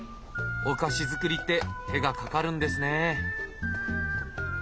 お菓子作りって手がかかるんですねぇ。